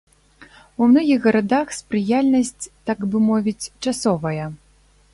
У многіх гарадах спрыяльнасць, так бы мовіць, часовая.